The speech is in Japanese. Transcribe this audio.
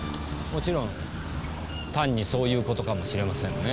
もちろん単にそういうことかもしれませんね。